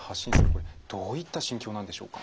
これどういった心境なんでしょうか。